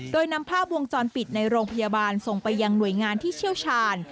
โดยนำภาพวงจรปิดในโรงพยาบาลส่งไปยังหน่วยงานที่เชี่ยวชาญ